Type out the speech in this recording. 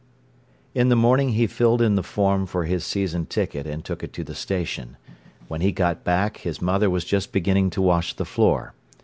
In the morning he filled in the form for his season ticket and took it to the station. When he got back, his mother was just beginning to wash the floor.